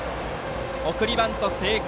送りバント成功。